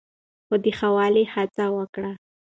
خو د ښه والي هڅه وکړئ.